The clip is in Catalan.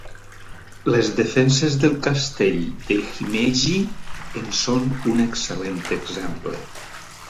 Les defenses del castell de Himeji en són un excel·lent exemple.